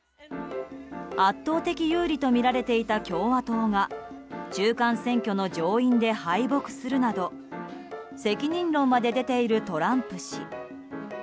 圧倒的有利とみられていた共和党が中間選挙の上院で敗北するなど責任論まで出ているトランプ氏。